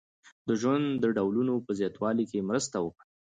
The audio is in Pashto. د ژوند د ډولونو په زیاتوالي کې مرسته وکړي.